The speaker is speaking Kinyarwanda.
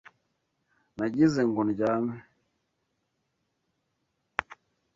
Nagize ngo ndyamye.